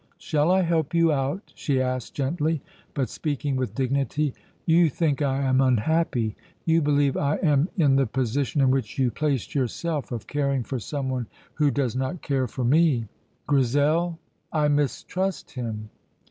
"Shall I help you out?" she asked gently, but speaking with dignity. "You think I am unhappy; you believe I am in the position in which you placed yourself, of caring for someone who does not care for me." "Grizel, I mistrust him."